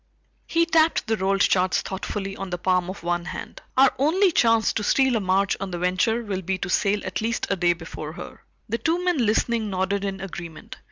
He tapped the rolled charts thoughtfully on the palm of one hand. "Our only chance to steal a march on the Venture will be to sail at least a day before her." The two men listening nodded in agreement.